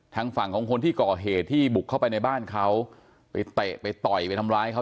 ทางฝั่งของคนที่ก่อเหตุที่บุกเข้าไปในบ้านเขาไปเตะไปต่อยไปทำร้ายเขา